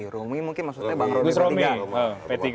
romi mungkin maksudnya bang romi p tiga